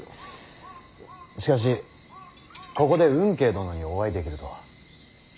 しかしここで運慶殿にお会いできるとは。